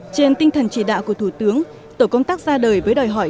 trên tinh thần chỉ đạo của thủ tướng tổ công tác ra đời với đòi hỏi